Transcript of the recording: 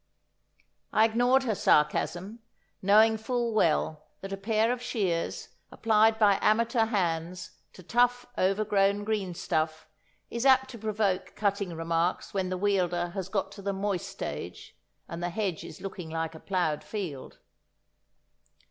I ignored her sarcasm, knowing full well that a pair of shears, applied by amateur hands to tough overgrown greenstuff, is apt to provoke cutting remarks when the wielder has got to the moist stage and the hedge is looking like a ploughed field.